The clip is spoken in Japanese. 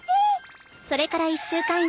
［それから１週間後